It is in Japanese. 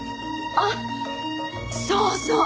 あっそうそう！